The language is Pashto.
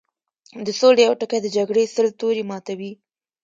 د سولې يو ټکی د جګړې سل تورې ماتوي